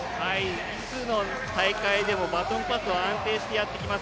いつの大会でも、バトンパス安定してもってきています。